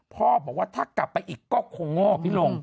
พ่อบอกว่าถ้ากลับไปอีกก็คงโง่พี่ลง